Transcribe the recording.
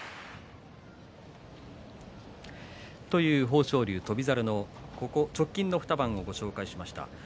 豊昇龍と翔猿の直近の２番をご紹介しました。